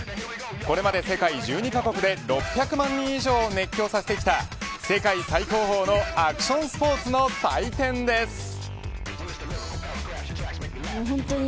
これまで世界中に各国で６００万人以上を熱狂させてきた世界最高峰のアクションスポーツの祭典です。